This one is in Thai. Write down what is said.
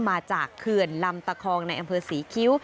เขื่อนลำตะคองในอำเภอศรีคิ้ว